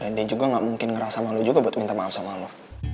dan dia juga nggak mungkin ngerasa malu juga buat minta maaf sama lo